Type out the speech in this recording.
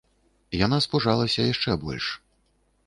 Яна спужалася яшчэ больш.